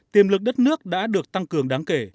tiềm lực đất nước đã được tăng cường đáng kể